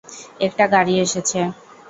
একটা গাড়ি এসেছে।